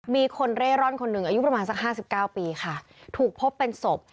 มีคนเร่ร่อนคนหนึ่งอายุประมาณสักห้าสิบเก้าปีค่ะถูกพบเป็นศพ